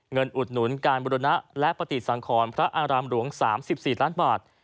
อุดหนุนการบุรณะและปฏิสังขรพระอารามหลวง๓๔ล้านบาท